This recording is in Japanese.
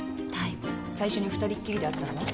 最初に二人きりで会ったのは？